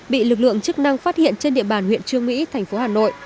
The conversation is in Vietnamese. bị lực lượng chức năng phát hiện trên địa bàn huyện trương mỹ thành phố hà nội